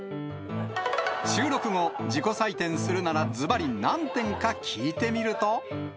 収録後、自己採点するなら、ずばり何点か聞いてみると。